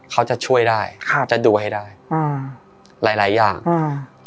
เขาจะช่วยได้ครับจะดูให้ได้อืมหลายหลายอย่างอ่า